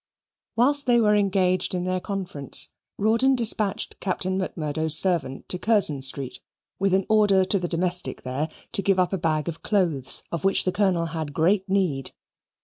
Whilst they were engaged in their conference, Rawdon dispatched Captain Macmurdo's servant to Curzon Street, with an order to the domestic there to give up a bag of clothes of which the Colonel had great need.